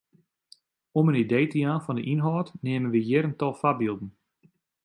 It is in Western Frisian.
Om in idee te jaan fan de ynhâld neame wy hjir in tal foarbylden.